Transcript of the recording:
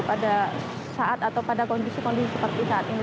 pada saat atau pada kondisi kondisi seperti saat ini